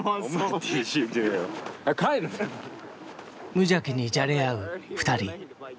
無邪気にじゃれ合う２人。